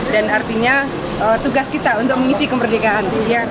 dan artinya tugas kita untuk mengisi kemerdekaan